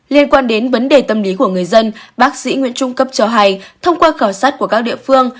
liên quan đến vấn đề tâm lý của người dân bác sĩ nguyễn trung cấp cho hay thông qua khảo sát của các địa phương